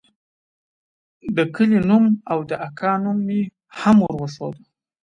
د کلي نوم او د اکا نوم مې هم وروښود.